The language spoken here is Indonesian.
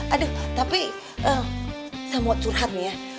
aduh tapi saya mau curhat nih ya